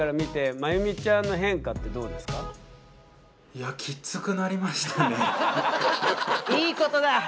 いやいいことだ。